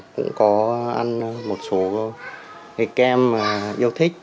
cũng có ăn một số kem yêu thích